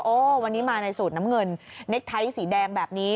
วันนี้มาในสูตรน้ำเงินเน็กไทท์สีแดงแบบนี้